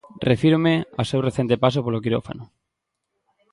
Refírome ao seu recente paso polo quirófano.